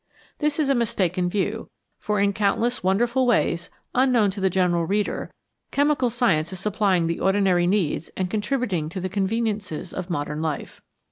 This is a mistaken view, for in countless wonderful ways, unknown to the general reader, chemical science is supplying the ordinary needs and contributing to the conveniences of modern life.